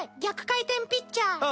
逆回転ピッチャー。